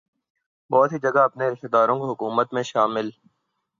بہت سی جگہ اپنے رشتہ داروں کو حکومت میں شامل